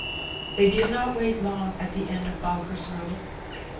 They did not wait long at the end of Bowker's Row.